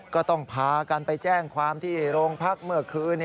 ก็ต้องพากันไปแจ้งความที่โรงพักเมื่อคืน